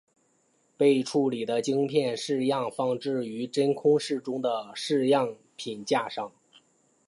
被处理的晶片试样放置于真空室中的样品架上。